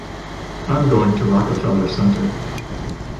I'm going to Rockefeller Center.